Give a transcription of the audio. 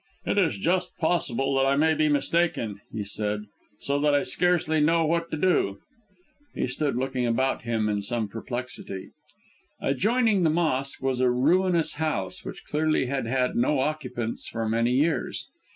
"It is just possible that I may be mistaken," he said; "so that I scarcely know what to do." He stood looking about him in some perplexity. Adjoining the mosque, was a ruinous house, which clearly had had no occupants for many years.